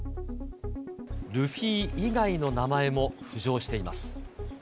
ルフィ以外の名前も浮上しています。